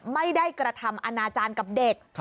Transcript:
ไม่ได้กระทำอนาจารย์กับเด็ก